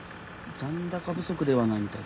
残高不足ではないみたいですね。